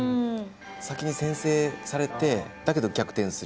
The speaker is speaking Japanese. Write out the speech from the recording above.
先に先制されてだけど逆転する。